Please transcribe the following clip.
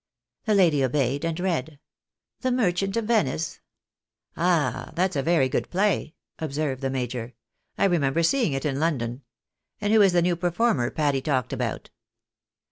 The lady obeyed, and read, " The Merchant of Venice." "Ah! that's a very good play," observed the major; "I remember seeing it in London. And who is the new performer Patty talked about